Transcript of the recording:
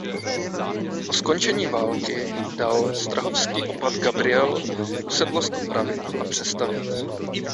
Po skončení války dal strahovský opat Gabriel usedlost opravit a přestavět.